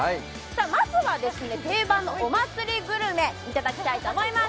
まずは定番のお祭りグルメいただきたいと思います。